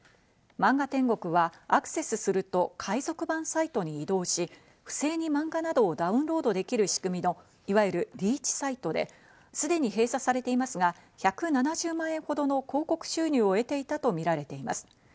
漫画天国はアクセスすると海賊版サイトに移動し、不正に漫画などをダウンロードできる仕組みのいわゆるリーチサイトですでに閉鎖されていますが、１７０万円ほどの広告収入を得ていたとみられています。